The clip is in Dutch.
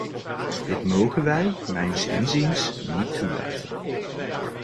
Dit mogen wij mijns inziens niet toelaten!